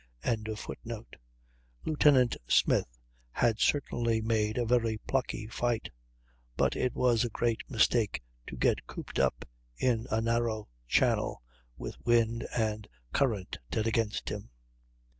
] Lieutenant Smith had certainly made a very plucky fight, but it was a great mistake to get cooped up in a narrow channel, with wind and current dead against him.